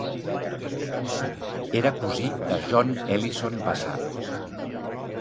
Era cosí de John Ellison Vassar.